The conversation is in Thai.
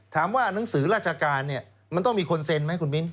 หนังสือราชการเนี่ยมันต้องมีคนเซ็นไหมคุณมิ้น